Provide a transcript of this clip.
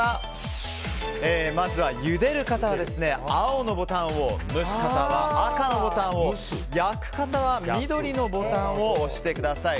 まずは、ゆでる方は青のボタンを蒸すという方は赤のボタンを焼く方は緑のボタンを押してください。